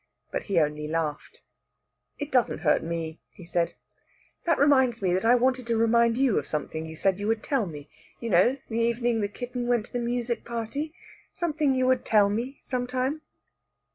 But he only laughed. "It doesn't hurt me," he said. "That reminds me that I wanted to remind you of something you said you would tell me. You know that evening the kitten went to the music party something you would tell me some time."